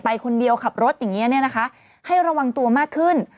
ไปคนเดียวขับรถอย่างนี้ให้ระวังตัวมากขึ้น